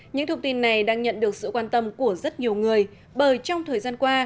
những thông tin này đang nhận được sự quan tâm của rất nhiều người bởi trong thời gian qua